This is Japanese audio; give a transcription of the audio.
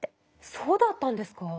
そうだったんですか？